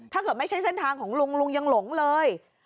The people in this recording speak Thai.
ถ้าเกิดไม่ใช่เส้นทางของลุงลุงยังหลงเลย